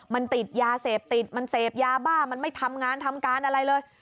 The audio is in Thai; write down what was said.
มันติดยาเสพติดมันเสพยาบ้ามันไม่ทำงานทำการอะไรเลย